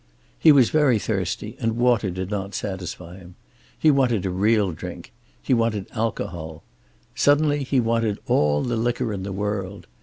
He was very thirsty, and water did not satisfy him. He wanted a real drink. He wanted alcohol. Suddenly he wanted all the liquor in the world.